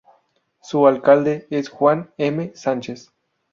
Su alcalde es Juan M. Sánchez.